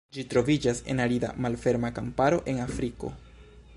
Ĝi troviĝas en arida, malferma kamparo en Afriko.